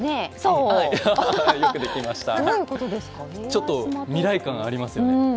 ちょっと未来感がありますよね。